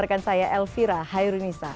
rekan saya elvira hairunisa